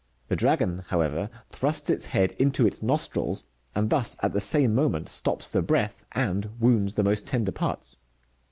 The dragon, however, thrusts its head into its nostrils, and thus, at the same moment, stops the breath and wounds the most tender parts.